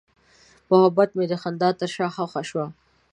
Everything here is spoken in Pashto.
محبت مې د خندا تر شا ښخ شو.